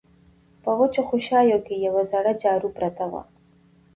په وچو خوشايو کې يوه زړه جارو پرته وه.